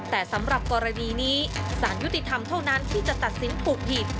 แต่สำหรับกรณีนี้สารยุติธรรมเท่านั้นที่จะตัดสินถูกผิด